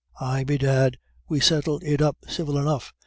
Ay, bedad, we settled it up civil enough.